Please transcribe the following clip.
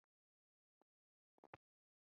abana nabo basigara mu rugo Bahindukiye